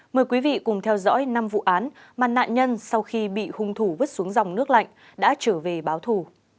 mời quý vị cùng theo dõi năm vụ án mà nạn nhân sau khi bị hung thủ vứt xuống dòng nước lạnh đã trở về báo thủ